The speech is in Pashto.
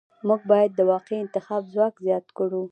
موږ باید د واقعي انتخاب ځواک زیات کړو.